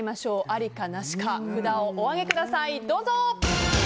ありかなしか札をお上げください。